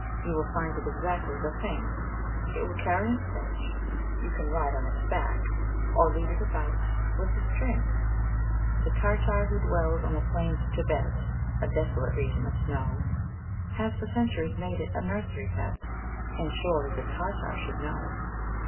You will find it exactly the thing: It will carry and fetch, you can ride on its back, Or lead it about with a string. The Tartar who dwells on the plains of Thibet (A desolate region of snow) Has for centuries made it a nursery pet, And surely the Tartar should know!